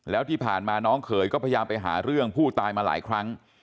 แล้วที่ผ่านมาน้องเขยก็พยายามไปหาเรื่องผู้ตายมาหลายครั้ง